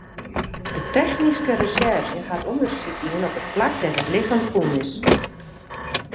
De technyske resjerzje hat ûndersyk dien op it plak dêr't it lichem fûn is.